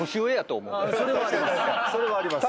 それはあります。